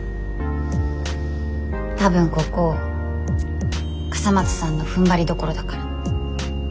多分ここ笠松さんのふんばりどころだから。